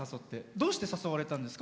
どうして誘われたんですか？